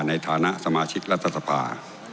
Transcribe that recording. ในฐานะสมาชิกรัฐสภา